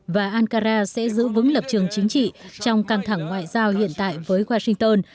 và ankara sẽ giữ vững lập trường chính trị trong căng thẳng ngoại giao hiện tại với washington